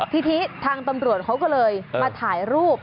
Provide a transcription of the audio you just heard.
ทีนี้ทางตำรวจเขาก็เลยมาถ่ายรูป